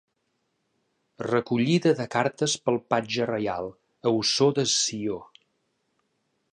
Recollida de cartes pel patge reial, a Ossó de Sió.